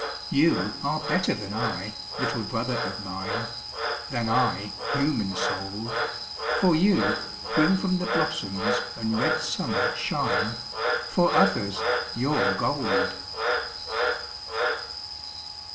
You are better than I, little brother of mine, Than I, human souled, For you bring from the blossoms and red summer shine, For others, your gold.